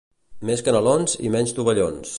Més canelons i menys tovallons.